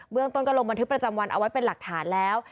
เมืองต้นก็ลงบันทึกประจำวันเอาไว้เป็นหลักฐานแล้ว